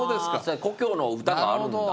あ故郷の歌があるんだ。